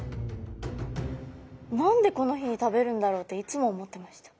何でこの日に食べるんだろうっていつも思ってました。